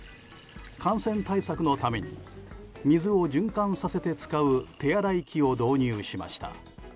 感染対策のために水を循環させて使う手洗い器を導入しました。